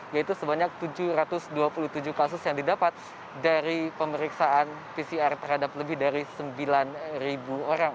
yaitu sebanyak tujuh ratus dua puluh tujuh kasus yang didapat dari pemeriksaan pcr terhadap lebih dari sembilan orang